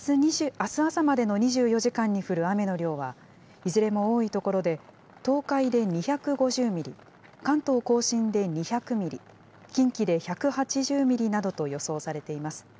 あす朝までの２４時間に降る雨の量は、いずれも多い所で、東海で２５０ミリ、関東甲信で２００ミリ、近畿で１８０ミリなどと予想されています。